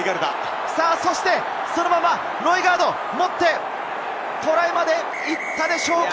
そして、そのままロイガードが持って、トライまで行ったでしょうか？